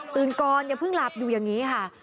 ก่อนอย่าเพิ่งหลับอยู่อย่างนี้ค่ะ